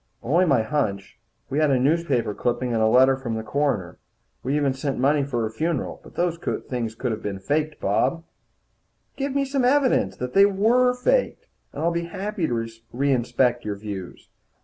"Only my hunch. We had a newspaper clipping, and a letter from the coroner. We even sent the money for her funeral. But those things could be faked, Bob." "Give me some evidence that they were faked, and I'll be happy to reinspect your views."